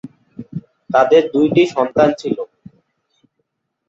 তাদের দুইটি সন্তান ছিল।